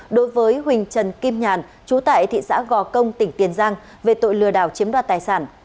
đối với huỳnh trần kim nhàn chú tại thị xã gò công tỉnh tiền giang về tội lừa đảo chiếm đoạt tài sản